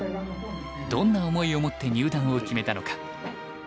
どんな思いを持って入段を決めたのか。